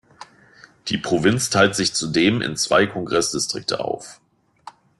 Die Provinz teilt sich zudem in zwei Kongress-Distrikte auf.